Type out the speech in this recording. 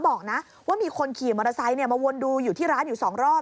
บอกนะว่ามีคนขี่มอเตอร์ไซค์มาวนดูอยู่ที่ร้านอยู่สองรอบ